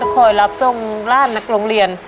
คอยรับส่งร่างนักโรงเรียน